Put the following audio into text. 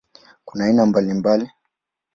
Kuna aina mbalimbali.